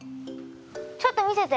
ちょっと見せて。